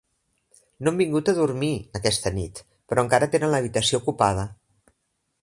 No han vingut a dormir, aquesta nit, però encara tenen l'habitació ocupada.